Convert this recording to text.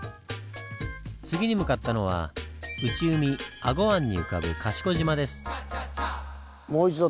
次に向かったのは内海・英虞湾に浮かぶ賢島です。